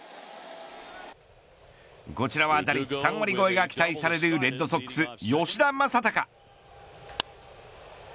こちらは打率３割超えが期待される、レッドソックス吉田正尚。